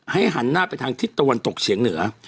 หันหน้าไปทางทิศตะวันตกเฉียงเหนือ